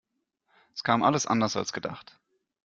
Es kam alles anders als gedacht.